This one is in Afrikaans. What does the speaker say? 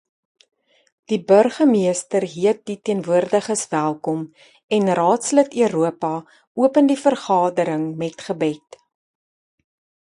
Die Burgemeester heet die teenwoordiges welkom en Raadslid Europa open die vergadering met gebed.